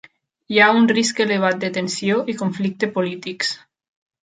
Hi ha un risc elevat de tensió i conflicte polítics.